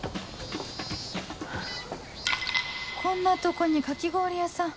こんなとこにかき氷屋さん